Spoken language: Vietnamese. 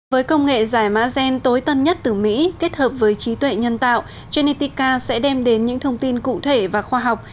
với công nghệ giải mã gen tối tân nhất từ mỹ kết hợp với trí tuệ nhân tạo genetica sẽ đem đến những thông tin cụ thể và khoa học